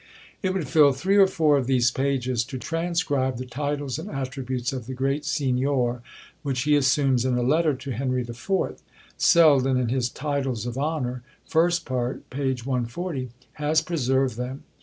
It would fill three or four of these pages to transcribe the titles and attributes of the Grand Signior, which he assumes in a letter to Henry IV. Selden, in his "Titles of Honour," first part, p. 140, has preserved them.